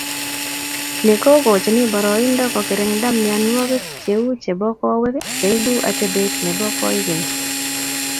Ni kogochini boroindo kogirinda mianwogik cheu chebo kowek cheibu atepet nebo koekeny